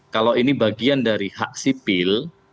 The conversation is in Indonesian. kalau ini bagian dari hak sipil